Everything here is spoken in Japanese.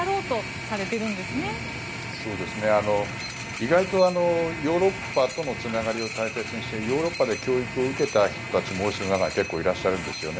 意外とヨーロッパとのつながりを大切にしていてヨーロッパで教育を受けた人たちも王室には結構いらっしゃるんですよね。